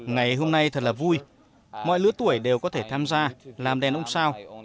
ngày hôm nay thật là vui mọi lứa tuổi đều có thể tham gia làm đèn ông sao